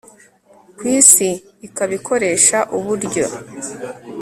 ku isi, ikaba ikoresha uburyo